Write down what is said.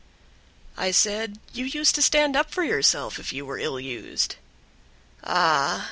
I said, "You used to stand up for yourself if you were ill used." "Ah!"